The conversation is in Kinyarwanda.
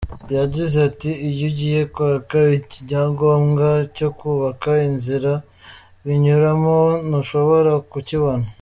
Yagize ati “Iyo ugiye kwaka icyangombwa cyo kubaka, inzira binyuramo, ntushobora kukibona.